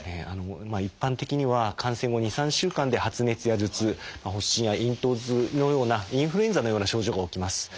一般的には感染後２３週間で発熱や頭痛発疹や咽頭痛のようなインフルエンザのような症状が起きます。